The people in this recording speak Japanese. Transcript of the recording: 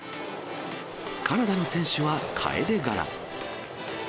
カナダの選手はカエデ柄。